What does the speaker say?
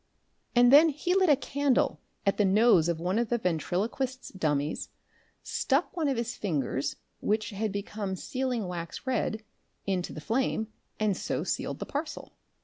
And then he lit a candle at the nose of one of the ventriloquist's dummies, stuck one of his fingers (which had become sealing wax red) into the flame, and so sealed the parcel.